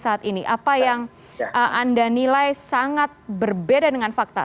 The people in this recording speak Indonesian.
apa yang anda nilai sangat berbeda dengan fakta